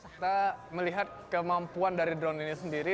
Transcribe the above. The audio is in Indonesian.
kita melihat kemampuan dari drone ini sendiri